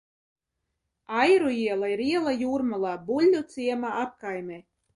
Airu iela ir iela Jūrmalā, Buļļuciema apkaimē.